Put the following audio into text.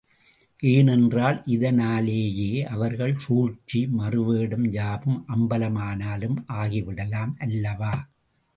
ஏனென்றால் இதனாலேயே அவர்கள் சூழ்ச்சி, மாறுவேடம் யாவும் அம்பலமானாலும் ஆகிவிடலாம் அல்லவா!